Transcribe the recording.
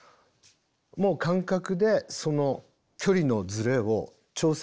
もう感覚でその距離のズレを調整します。